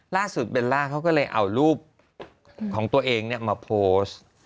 เบลล่าเขาก็เลยเอารูปของตัวเองมาโพสต์